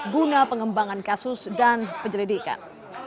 guna pengembangan kasus dan penyelidikan